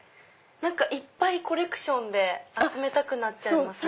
いっぱいコレクションで集めたくなっちゃいますね。